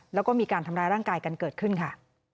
แล้วก็มีการทำร้ายร่างกายกันเกิดขึ้นค่ะ